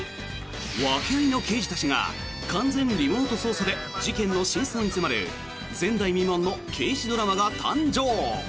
訳ありの刑事たちが完全リモート捜査で事件の真相に迫る前代未聞の刑事ドラマが誕生！